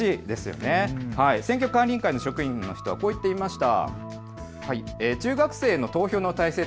選挙管理委員会の職員はこう言っていました。